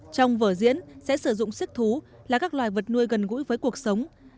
trong vở diễn sẽ sử dụng siếc thú là các loài vật nuôi gần gũi với cuộc sống